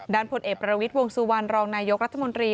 ผลเอกประวิทย์วงสุวรรณรองนายกรัฐมนตรี